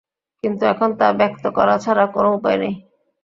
কিন্তু এখন তা ব্যক্ত করা ছাড়া কোন উপায় নেই।